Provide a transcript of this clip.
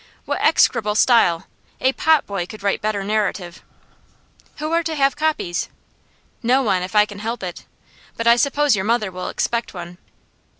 What execrable style! A potboy could write better narrative.' 'Who are to have copies?' 'No one, if I could help it. But I suppose your mother will expect one?